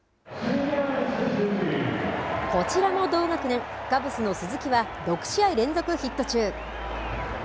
こちらも同学年、カブスの鈴木は６試合連続ヒット中。